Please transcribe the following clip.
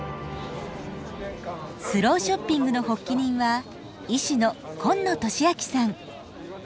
スローショッピングの発起人は医師の紺野敏昭さん。